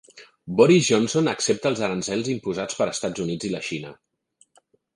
Boris Johnson accepta els aranzels imposats pels Estats Units i la Xina